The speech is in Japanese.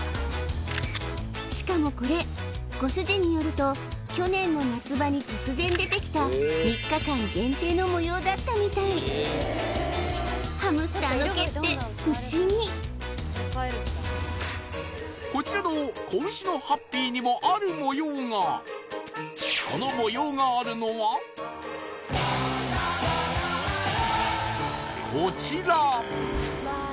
しかもこれご主人によると去年の夏場に突然出てきた３日間限定の模様だったみたいこちらの子牛のハッピーにもある模様がこちら！